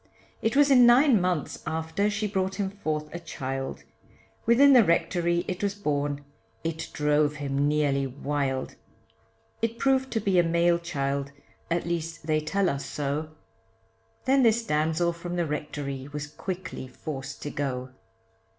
It was in nine months after she brought him forth a child, Within the rectory it was born, it drove him nearly wild: It proved to be a male child, at least they tell us so, Then this damsel from the rectory was quickly forced to go.